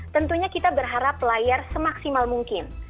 tentunya kita berharap layar semaksimal mungkin